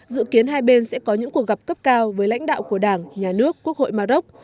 dự kiến hai bên sẽ có những cuộc gặp cấp cao với lãnh đạo của đảng nhà nước quốc hội maroc